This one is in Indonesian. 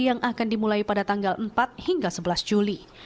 yang akan dimulai pada tanggal empat hingga sebelas juli